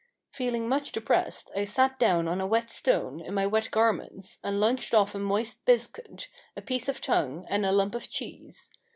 Feeling much depressed, I sat down on a wet stone, in my wet garments, and lunched off a moist biscuit, a piece of tongue, and a lump of cheese.